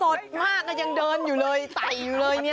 สดมากก็ยังเดินอยู่เลยไต่อยู่เลยเนี่ย